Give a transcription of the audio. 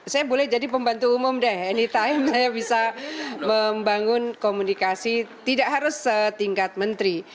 saya boleh jadi pembantu umum deh anytime saya bisa membangun komunikasi tidak harus setingkat menteri